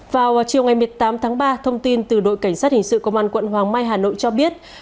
vào chiều ngày một mươi tám tháng ba thông tin từ đội cảnh sát hình sự công an quận hoàng mai hà nội cho biết